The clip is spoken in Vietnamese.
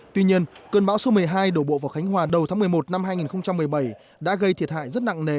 tuy nhiên cơn bão số một mươi hai đổ bộ vào khánh hòa đầu tháng một mươi một năm hai nghìn một mươi bảy đã gây thiệt hại rất nặng nề